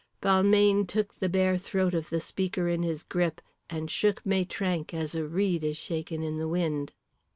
Balmayne took the bare throat of the speaker in his grip and shook Maitrank as a reed is shaken in the wind.